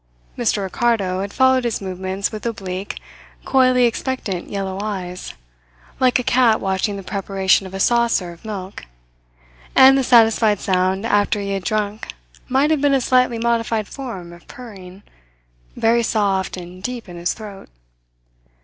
Mr. Ricardo had followed his movements with oblique, coyly expectant yellow eyes, like a cat watching the preparation of a saucer of milk, and the satisfied sound after he had drunk might have been a slightly modified form of purring, very soft and deep in his throat.